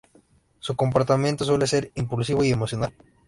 Su comportamiento suele ser impulsivo y emocional.